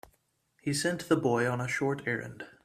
He sent the boy on a short errand.